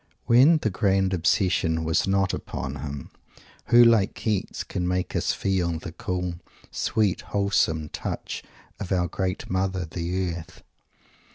When "the grand obsession" was not upon him, who, like Keats, can make us feel the cool, sweet, wholesome touch of our great Mother, the Earth?